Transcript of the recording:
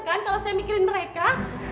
kan kalau saya mikirin mereka